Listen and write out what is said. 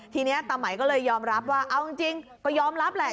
ทีนี้ตาไหมก็เลยยอมรับว่าเอาจริงก็ยอมรับแหละ